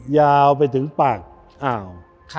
ยาวไปถึงปากอ่าว